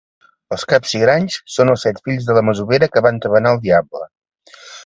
Els Capsigranys són els set fills de la masovera que va entabanar el Diable.